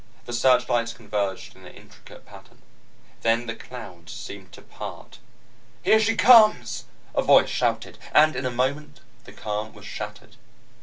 The searchlights converged in an intricate pattern. Then the clouds seemed to part! "Here she comes!" a voice shouted. And in a moment, the calm was shattered.